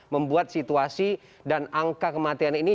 membuat situasi dan angka kematian ini